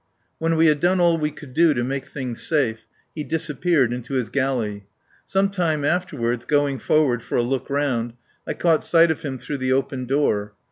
When we had done all we could do to make things safe, he disappeared into his galley. Some time afterward, going forward for a look round, I caught sight of him through the open door.